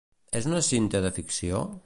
Es una cinta de ficció?